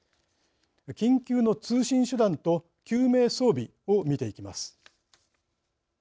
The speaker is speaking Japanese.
緊急の通信手段と救命装備を見ていきます。